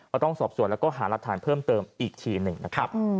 ต้องสอบส่วนแล้วก็หารักฐานเพิ่มเติมอีกทีหนึ่งนะครับ